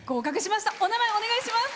お名前、お願いします。